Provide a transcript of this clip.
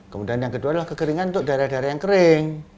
kemudian yang kedua adalah kekeringan untuk daerah daerah yang kering